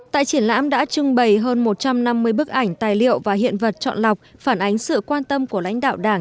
tại triển lãm đã trưng bày hơn một trăm năm mươi bức ảnh tài liệu và hiện vật chọn lọc phản ánh sự quan tâm của lãnh đạo đảng